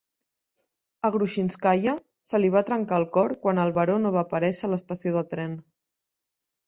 A Grushinskaya se li va trencar el cor quan el Baró no va aparèixer a l'estació de tren.